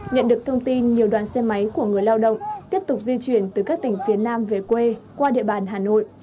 nhận được thông tin nhiều đoàn xe máy của người lao động tiếp tục di chuyển từ các tỉnh phía nam về quê qua địa bàn hà nội